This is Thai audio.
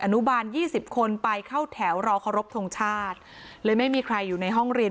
นุบาลยี่สิบคนไปเข้าแถวรอเคารพทงชาติเลยไม่มีใครอยู่ในห้องเรียน